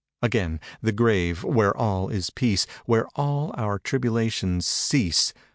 96 Again, the grave, where all is peace Where all our tribulations cease!